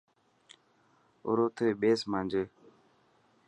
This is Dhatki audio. ارو ٿي ٻيسن مانجي.